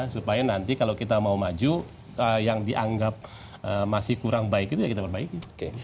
supaya nanti kalau kita mau maju yang dianggap masih kurang baik itu ya kita perbaiki